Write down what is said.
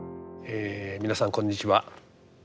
え皆さんこんにちは。